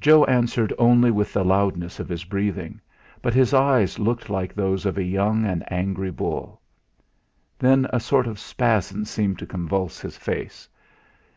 Joe answered only with the loudness of his breathing, but his eyes looked like those of a young and angry bull. Then a sort of spasm seemed to convulse his face.